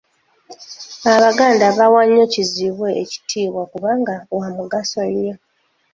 Abaganda bawa nnyo kizibwe ekitiibwa kubanga wa mugaso nnyo.